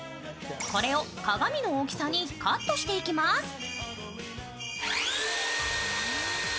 これを鏡の大きさにカットしていきます。